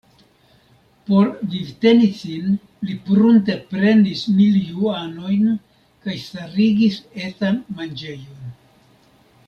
Por vivteni sin li prunte prenis mil juanojn kaj starigis etan manĝejon.